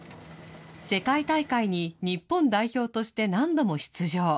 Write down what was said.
世界大会に日本代表として何度も出場。